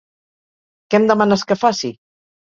Què em demanes que faci?